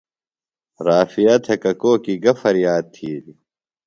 رافعہ تھےۡ ککوکیۡ گہ فریاد تِھیلیۡ؟